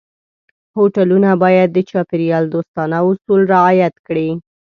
هوټلونه باید د چاپېریال دوستانه اصول رعایت کړي.